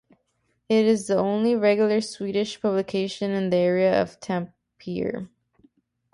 It is the only regular Swedish publication in the area of Tampere.